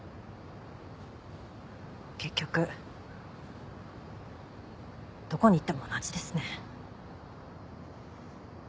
結局どこに行っても同じですね。